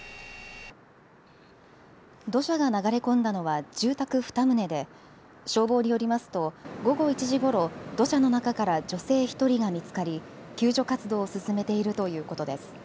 土砂が流れ込んだのは住宅２棟で消防によりますと午後１時ごろ土砂の中から女性１人が見つかり救助活動を進めているということです。